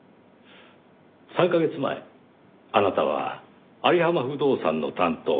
３カ月前あなたは有浜不動産の担当者